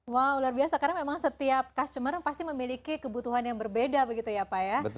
wow luar biasa karena memang setiap customer pasti memiliki kebutuhan yang berbeda begitu ya pak ya